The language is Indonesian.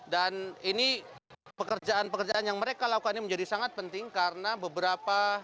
dan ini pekerjaan pekerjaan yang mereka lakukan ini menjadi sangat penting karena beberapa